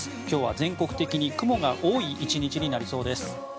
今日は全国的に雲が多い１日になりそうです。